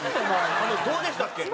どうでしたっけ？